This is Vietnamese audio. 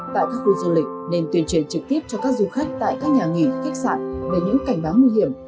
tại các khu du lịch nên tuyên truyền trực tiếp cho các du khách tại các nhà nghỉ khách sạn về những cảnh báo nguy hiểm